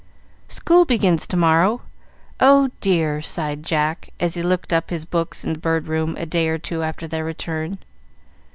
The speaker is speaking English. "School begins to morrow. Oh, dear!" sighed Jack, as he looked up his books in the Bird Room, a day or two after their return.